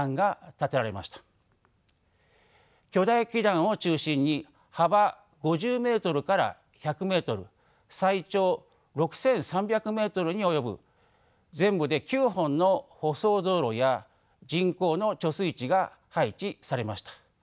巨大基壇を中心に幅５０ｍから１００ｍ最長６，３００ｍに及ぶ全部で９本の舗装道路や人工の貯水池が配置されました。